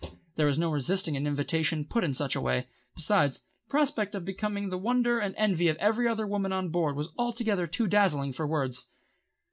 There was no resisting an invitation put in such a way. Besides, the prospect of becoming the wonder and envy of every other woman on board was altogether too dazzling for words.